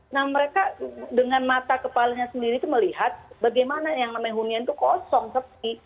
nah mereka dengan mata kepalanya sendiri itu melihat bagaimana yang namanya hunian itu kosong sepi